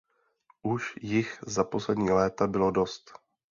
Už jich za poslední léta bylo dost.